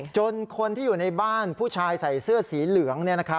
คนที่อยู่ในบ้านผู้ชายใส่เสื้อสีเหลือง